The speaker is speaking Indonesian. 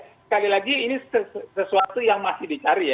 sekali lagi ini sesuatu yang masih dicari ya